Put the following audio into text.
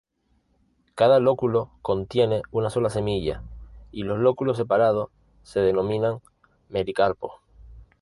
Cada lóculo contiene una sola semilla y los lóculos separados se denominan mericarpos.